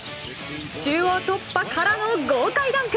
中央突破からの豪快ダンク！